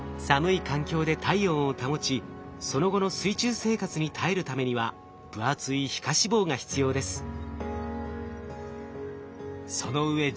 寒い環境で体温を保ちその後の水中生活に耐えるためには分厚い皮下脂肪が必要です。